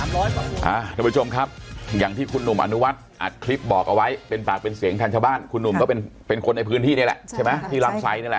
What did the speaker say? ทุกผู้ชมครับอย่างที่คุณหนุ่มอนุวัฒน์อัดคลิปบอกเอาไว้เป็นปากเป็นเสียงแทนชาวบ้านคุณหนุ่มก็เป็นคนในพื้นที่นี่แหละใช่ไหมที่ลำไซดนี่แหละ